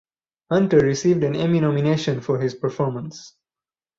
Hunter received an Emmy nomination for his performance.